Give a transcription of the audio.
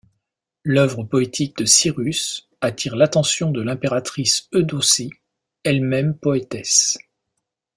L'œuvre poétique de Cyrus attire l'attention de l'impératrice Eudocie, elle-même poétesse.